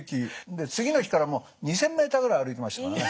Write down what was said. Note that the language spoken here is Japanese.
で次の日から２，０００ｍぐらい歩いてましたからね。